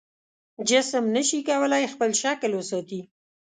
جسم نشي کولی خپل شکل وساتي.